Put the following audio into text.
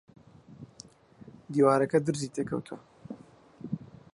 دیوارەکە درزی تێ کەوتووە